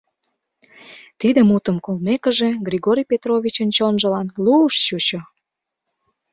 Тиде мутым колмекыже, Григорий Петровичын чонжылан лу-уш чучо.